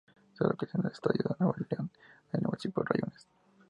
Se localiza en el estado de Nuevo León, en el municipio de Rayones.